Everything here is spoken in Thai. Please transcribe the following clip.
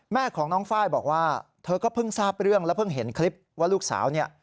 แม่ของน้องไฟล์บอกว่าเธอก็เพิ่งทราบเรื่องแล้วเพิ่งเห็นคลิปว่าลูกสาวเนี่ย